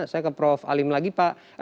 saya ke prof alim lagi pak